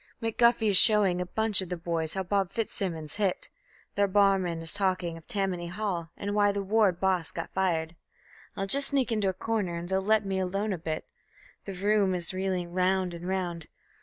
McGuffy is showing a bunch of the boys how Bob Fitzsimmons hit; The barman is talking of Tammany Hall, and why the ward boss got fired. I'll just sneak into a corner and they'll let me alone a bit; The room is reeling round and round...